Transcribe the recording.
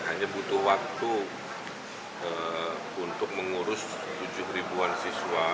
hanya butuh waktu untuk mengurus tujuh ribuan siswa